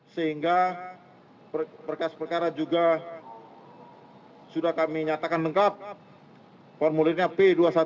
sehingga berkas perkara juga sudah kami nyatakan lengkap formulirnya p dua puluh satu